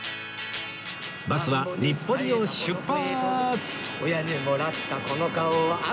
バスは日暮里を出発！